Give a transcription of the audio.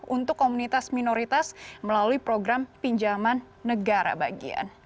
untuk komunitas minoritas melalui program pinjaman negara bagian